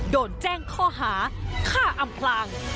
โดนแจ้งข้อหาฆ่าอำพลาง